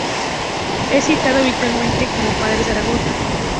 Es citado habitualmente como Padre Zaragoza.